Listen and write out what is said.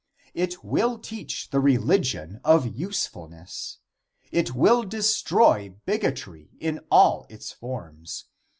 It will teach the religion of usefulness. It will destroy bigotry in all its forms.